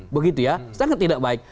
begitu ya sangat tidak baik